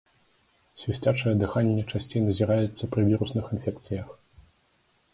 Свісцячае дыханне часцей назіраецца пры вірусных інфекцыях.